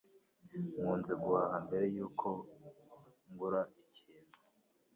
Nkunze guhaha mbere yuko ngura ikintu.